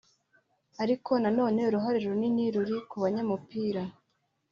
ariko na none uruhare runini ruri ku banyamupira